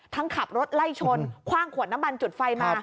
ขับรถไล่ชนคว่างขวดน้ำมันจุดไฟมา